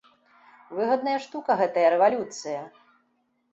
Выгадная штука гэтая рэвалюцыя!